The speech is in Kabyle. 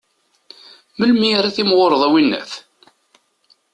Melmi ara timɣureḍ, a winnat?